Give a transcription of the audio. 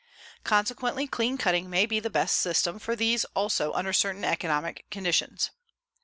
Consequently clean cutting may be the best system for these also under certain economic conditions.